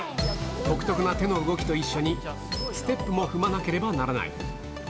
独特な手の動きと一緒に、ステップも踏まなければならない。